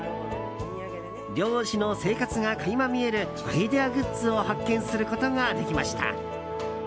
漁師の生活が垣間見えるアイデアグッズを発見することができました。